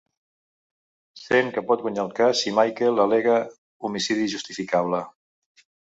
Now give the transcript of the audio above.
Sent que pot guanyar el cas si Michael al·lega homicidi justificable.